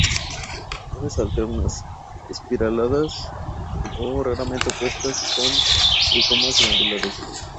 Hojas alternas, espiraladas o raramente opuestas, sin tricomas glandulares.